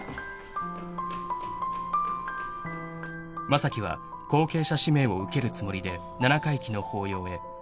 ［正樹は後継者指名を受けるつもりで七回忌の法要へ］